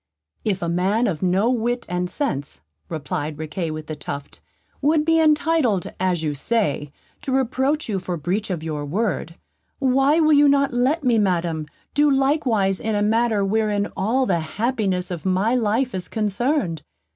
"If a man of no wit and sense," replied Riquet with the Tuft, "would be entitled, as you say, to reproach you for breach of your word, why will you not let me, Madam, do likewise in a matter wherein all the happiness of my life is concerned?